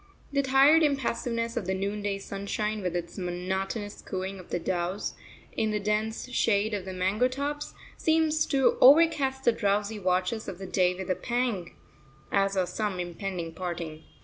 The tired impassiveness of the noonday sunshine, with its monotonous cooing of doves in the dense shade of the mango tops, seems to overcast the drowsy watches of the day with a pang, as of some impending parting.